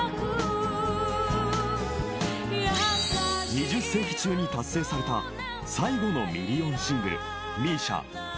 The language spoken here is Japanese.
［２０世紀中に達成された最後のミリオンシングル］